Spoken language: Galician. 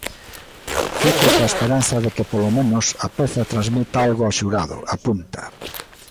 Fico coa esperanza de que polo menos a peza transmita algo ao xurado, apunta.